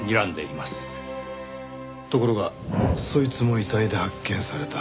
ところがそいつも遺体で発見された。